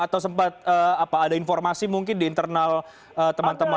atau sempat ada informasi mungkin di internal teman teman